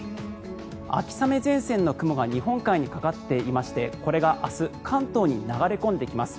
秋雨前線の雲が日本海にかかっていましてこれが明日、関東に流れ込んできます。